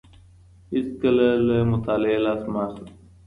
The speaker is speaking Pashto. هيڅکله له مطالعې لاس مه اخلئ.